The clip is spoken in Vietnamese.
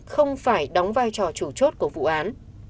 không phải đóng vai trò chủ chốt của vụ án